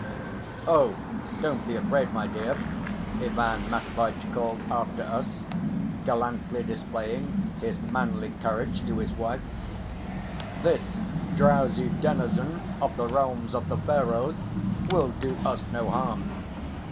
"Oh, don't be afraid, my dear!" Ivan Matveitch called after us, gallantly displaying his manly courage to his wife. "This drowsy denison of the realms of the Pharaohs will do us no harm."